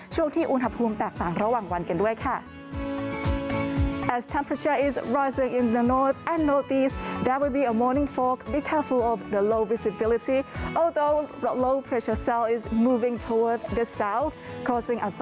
ช่วงที่อุณหภูมิแตกต่างระหว่างวันกันด้วยค่ะ